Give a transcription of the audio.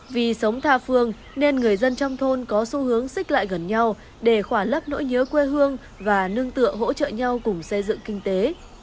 vì sống tha phương nên người dân trong thôn có xu hướng xích lại gần nhau để khỏa lấp nỗi nhớ quê hương và nương tựa hỗ trợ nhau cùng xây dựng kinh tế